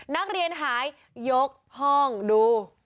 นักเรียนหายยกห้องดู